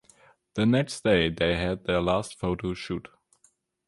The next day they had their last photo shoot.